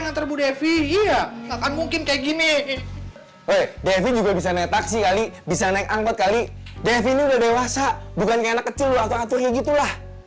nganter bu devi iya mungkin kayak gini wuih devine juga bisa netak sekali bisa naik angkot kali itu lah